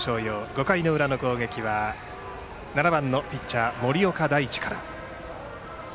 ５回の裏の攻撃は７番のピッチャー、森岡大智から。